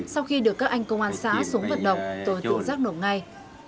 sau khi được các anh công an xã xuống vận động tôi tự giác nộp ngay